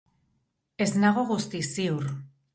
Ez nago guztiz ziur.